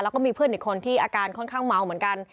แล้วก็มีเพื่อนอีกคนที่อาการค่อนข้างเมาเหมือนกัน